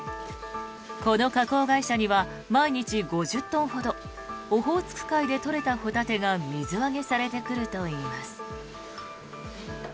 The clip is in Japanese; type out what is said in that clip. この加工会社には毎日５０トンほどオホーツク海で取れたホタテが水揚げされてくるといいます。